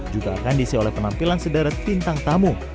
juga akan diisi oleh penampilan sederet bintang tamu